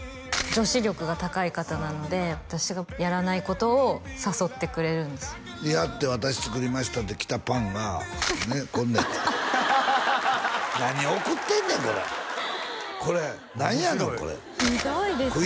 女子力が高い方なので私がやらないことを誘ってくれるんですよでやって私作りましたってきたパンがねっこんなやってん何送ってんねんこれこれ何やねんこれひどいですね